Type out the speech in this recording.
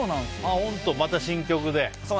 また新曲で。